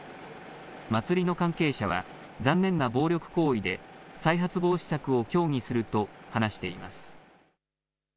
祭の関係者は残念な暴力行為で再発防止策を協議すると話しています。